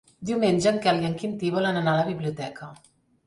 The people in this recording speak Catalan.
Diumenge en Quel i en Quintí volen anar a la biblioteca.